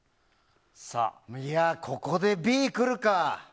ここでＢ来るか。